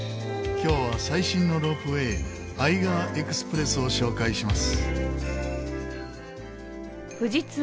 今日は最新のロープウェーアイガー・エクスプレスを紹介します。